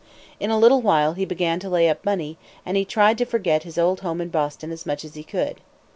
In a little while he began to lay up money, and he tried to forget his old home in Boston as much as he could.